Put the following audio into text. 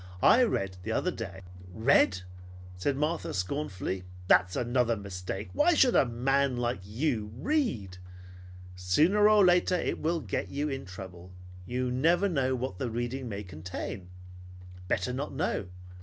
"I read the other day " "Read!" said Martha scornfully. "That's another mistake. Why should a man like you read? Sooner or later it will get you in trouble. You never know what the reading may contain. Better not know.